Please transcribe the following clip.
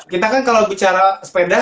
kita kan kalau bicara sepeda